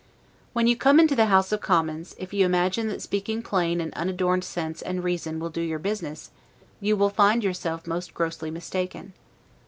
When you come into the House of Commons, if you imagine that speaking plain and unadorned sense and reason will do your business, you will find yourself most grossly mistaken.